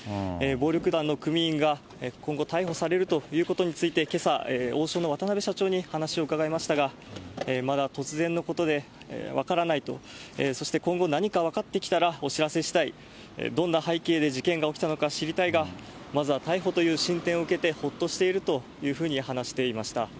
暴力団の組員が今後、逮捕されるということについて、けさ、王将の渡邊社長に話を伺いましたが、まだ突然のことで分からないと、そして今後、何か分かってきたらお知らせしたい、どんな背景で事件が起きたのか知りたいが、まずは逮捕という進展を受けてほっとしているというふうに話していました。